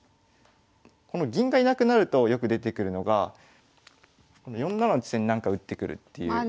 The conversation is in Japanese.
この銀がいなくなるとよく出てくるのがこの４七の地点になんか打ってくるっていうことで。